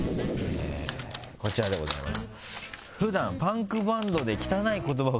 こちらでございます。